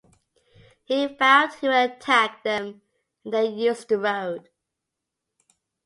He vowed he would attack them if they used the road.